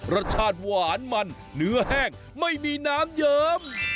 รสชาติหวานมันเนื้อแห้งไม่มีน้ำเยิม